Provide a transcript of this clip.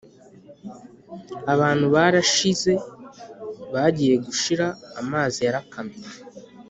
Abantu barashize, bagiye gushira, amazi yarakamye,